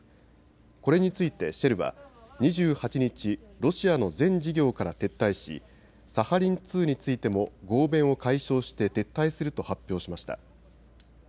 これについてシェルは２８日、ロシアの全事業から撤退し、サハリン２についても合弁を解消して撤退すると発表しました。